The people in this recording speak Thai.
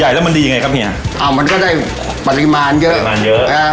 แล้วมันดียังไงครับเฮียอ้าวมันก็ได้ปริมาณเยอะปริมาณเยอะอ่า